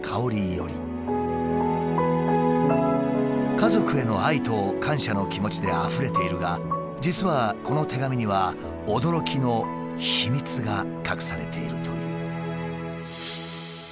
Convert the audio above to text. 家族への愛と感謝の気持ちであふれているが実はこの手紙には驚きの秘密が隠されているという。